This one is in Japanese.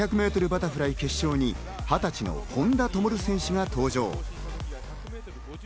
バタフライ決勝に２０歳の本田灯選手が登場。